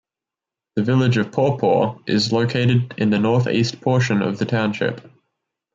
The village of Paw Paw is located in the northeast portion of the township.